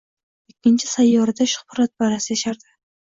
Ikkinchi sayyorada shuhratparast yashardi.